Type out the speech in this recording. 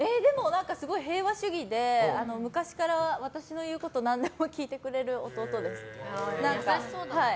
すごい平和主義で昔から、私の言うことを何でも聞いてくれる弟です。